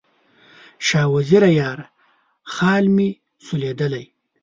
شاه وزیره یاره، خال مې سولېدلی